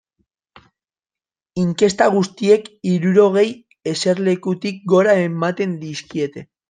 Inkesta guztiek hirurogei eserlekutik gora ematen dizkiete.